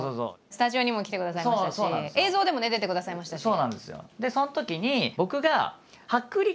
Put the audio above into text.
スタジオにも来てくださいましたし映像でもね出てくださいましたし。